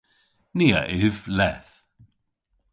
Ni a yv leth.